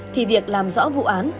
thì việc làm rõ vụ án